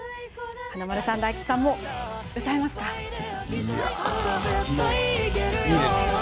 華丸さん、大吉さんも歌えますよね？